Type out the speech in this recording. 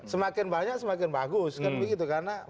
semakin banyak semakin bagus kan begitu karena